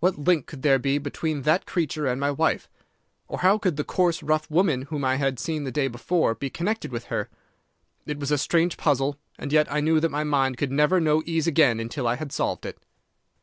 What link could there be between that creature and my wife? Or how could the coarse, rough woman whom I had seen the day before be connected with her? It was a strange puzzle, and yet I knew that my mind could never know ease again until I had solved it.